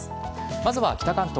まずは北関東。